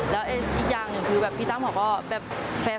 แล้วอีกอย่างหนึ่งคือพี่ตั้มเขาก็แฟร์